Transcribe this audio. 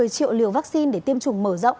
một mươi triệu liều vaccine để tiêm chủng mở rộng